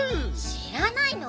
しらないの？